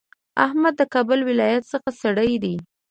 احمد د کابل ولایت ځای سړی دی.